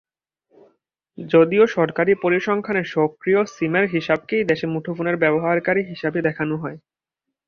যদিও সরকারি পরিসংখ্যানে সক্রিয় সিমের হিসাবকেই দেশে মুঠোফোন ব্যবহারকারী হিসাবে দেখানো হয়।